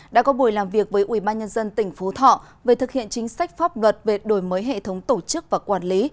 đã có buổi làm việc với ủy ban nhân dân tỉnh phú thọ về thực hiện chính sách pháp luật về đổi mới hệ thống tổ chức và quản lý